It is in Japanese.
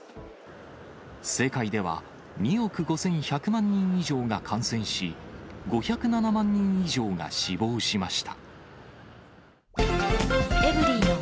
世界では、２億５１００万人以上が感染し、５０７万人以上が死亡しました。